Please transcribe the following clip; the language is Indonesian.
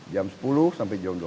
jam sepuluh sampai jam dua